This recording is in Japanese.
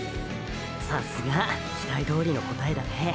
さっすが期待どおりの答えだね。